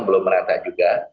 belum merata juga